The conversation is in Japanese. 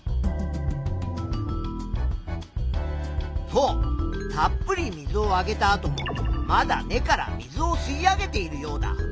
そうたっぷり水をあげたあともまだ根から水を吸い上げているヨウダ。